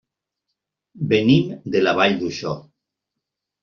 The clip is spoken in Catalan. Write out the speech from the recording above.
Venim de la Vall d'Uixó.